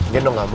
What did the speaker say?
dia dong gak mau